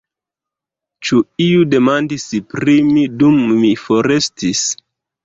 Ĉu iu demandis pri mi dum mi forestis?